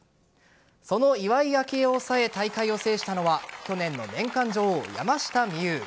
その岩井明愛を抑え大会を制したのは去年の年間女王・山下美夢有。